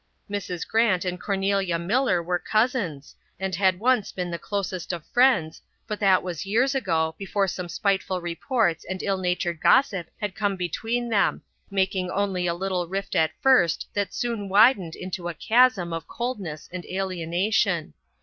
Mrs. Grant and Cornelia Millar were cousins, and had once been the closest of friends, but that was years ago, before some spiteful reports and ill natured gossip had come between them, making only a little rift at first that soon widened into a chasm of coldness and alienation.